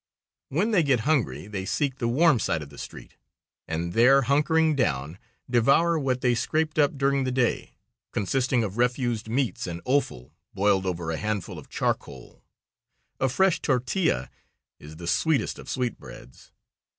When they get hungry they seek the warm side of the street and there, hunkering down, devour what they scraped up during the day, consisting of refused meats and offal boiled over a handful of charcoal. A fresh tortilla is the sweetest of sweetbreads.